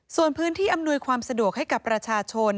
ส่วนพื้นที่อำนวยความสะดวกให้กับประชาชน